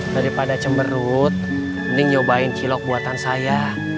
daripada cemberut ini nyobain cilok buatan saya